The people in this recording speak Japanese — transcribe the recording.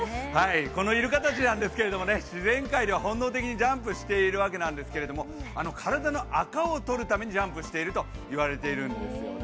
このイルカたちなんですが、自然界では本能的にジャンプしているそうなんですけど体のアカをとるためにジャンプしていると言われているんですよね。